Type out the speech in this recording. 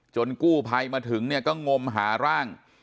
กู้ภัยมาถึงเนี่ยก็งมหาร่าง